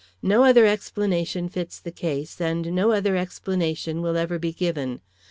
"No other explanation fits the case, and no other explanation will ever be given.